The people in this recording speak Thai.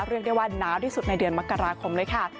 เรียกได้ว่าหนาวที่สุดในเดือนมกราคมเลยค่ะ